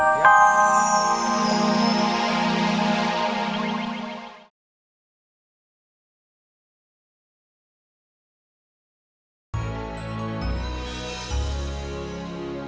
pasti papa jadi anaknya